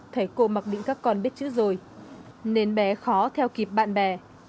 thầy cô mặc định các con biết chữ rồi nên bé khó theo kịp bạn bè